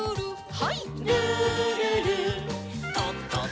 はい。